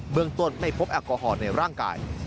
เมืองต้นไม่พบแอลกอฮอล์ในร่างกาย